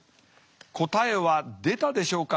答えは出たでしょうか？